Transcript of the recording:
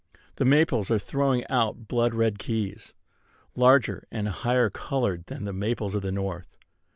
The maples were throwing out blood red keys, larger and higher colored than the maples of the North.